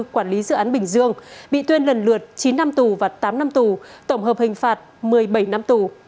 quản lý dự án bình dương bị tuyên lần lượt chín năm tù và tám năm tù tổng hợp hình phạt một mươi bảy năm tù